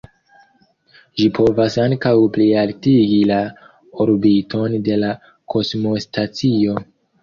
Ĝi povas ankaŭ plialtigi la orbiton de la kosmostacio.